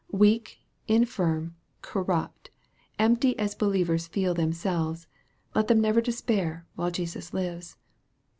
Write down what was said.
Weak, infirm, corrupt, empty as believers feel themselves, let them never despair, while Jesus lives.